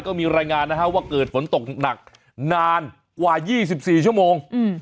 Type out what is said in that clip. ก็มีรายงานนะฮะว่าเกิดฝนตกหนักนานกว่ายี่สิบสี่ชั่วโมงอืม